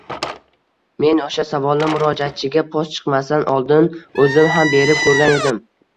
Men oʻsha savolni murojatchiga, post chiqmasidan oldin oʻzim ham berib koʻrgan edim..